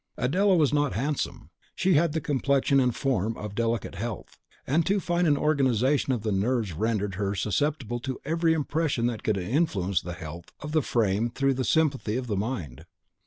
Adela was not handsome: she had the complexion and the form of delicate health; and too fine an organisation of the nerves rendered her susceptible to every impression that could influence the health of the frame through the sympathy of the mind.